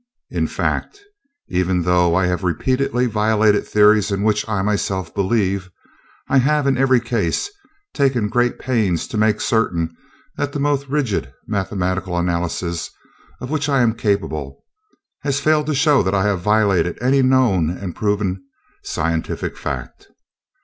In fact, even though I have repeatedly violated theories in which I myself believe, I have in every case taken great pains to make certain that the most rigid mathematical analysis of which I am capable has failed to show that I have violated any known and proven scientific fact.